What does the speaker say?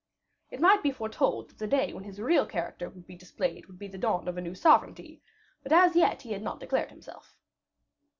It might be foretold that the day when his real character would be displayed would be the dawn of a new sovereignty; but as yet he had not declared himself.